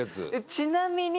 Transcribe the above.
「ちなみに」